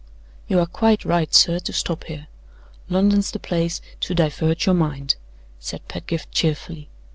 "You are quite right, sir, to stop here; London's the place to divert your mind," said Pedgift, cheerfully.